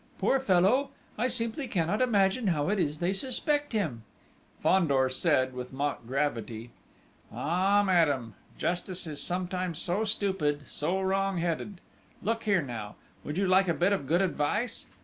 Poor fellow!... I simply cannot imagine how it is they suspect him!" Fandor said, with mock gravity: "Ah, madame, Justice is sometimes so stupid so wrongheaded!... Look here now, would you like a bit of good advice?...